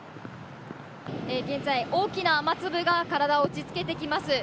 現在、大きな雨粒が体を打ち付けてきます。